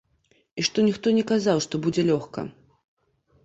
І што ніхто не казаў, што будзе лёгка.